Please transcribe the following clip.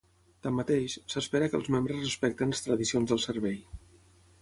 Tanmateix, s'espera que els membres respectin les tradicions del servei.